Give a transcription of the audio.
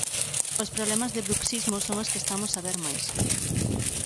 Os problemas de bruxismo son os que estamos a ver máis.